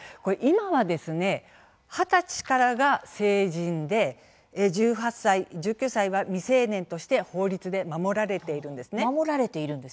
今は２０歳からが成人で１８歳１９歳は未成年として法律で守られているんです。